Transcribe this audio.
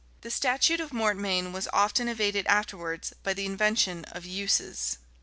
[*] The statute of mortmain was often evaded afterwards by the invention of "uses."